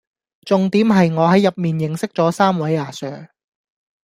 重點係我係入面認識咗三位阿 sir⠀⠀